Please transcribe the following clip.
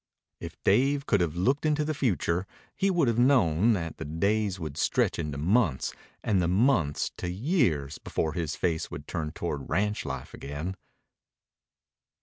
If Dave could have looked into the future he would have known that the days would stretch into months and the months to years before his face would turn toward ranch life again.